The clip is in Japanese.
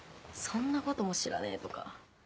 そんなことも知らねえとか。